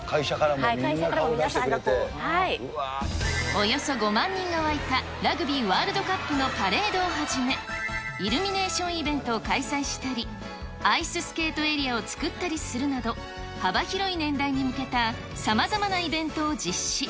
会社からもみんな顔出してくおよそ５万人が沸いたラグビーワールドカップのパレードをはじめ、イルミネーションイベントを開催したり、アイススケートエリアを作ったりするなど、幅広い年代に向けたさまざまなイベントを実施。